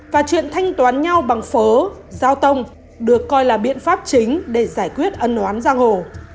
và chuyện thanh toán nhau bằng phố giao tông được coi là biện pháp chính để giải quyết ân oán giang hồ